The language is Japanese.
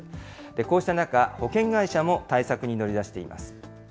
こうした中、保険会社も対策に乗り出しています。